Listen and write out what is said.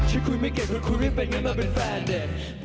ฉันคุยไม่เก่งคุณคุยเรียบแบบยังไงมาเป็นแฟนเด็ก